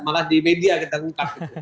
malah di media kita ungkap